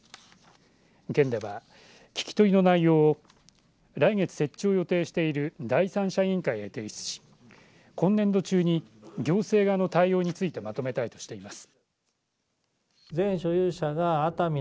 県では聞き取りの内容を来月設置を予定している第三者委員会へ提出し今年度中に行政側の対応についてまとめたいとしています。